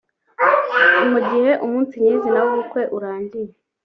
Mu gihe umunsi nyir’izina w’ubukwe urangiye